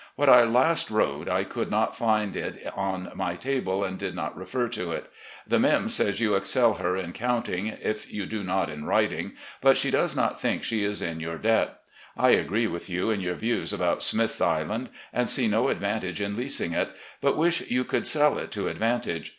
When I last wrote, I could not find it on my table and did not refer to it. 'The Mim' says you excel her in counting, if you do not in writing, but she does not think she is in your debt. I agree with you in yottr views about Smith's Island, and see no advantage in leasing it, but wish you could sell it to advantage.